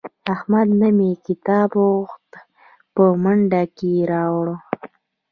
احمد نه مې کتاب وغوښت په منډه کې یې راوړ.